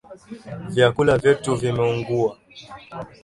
Vyakula vyetu vimeungua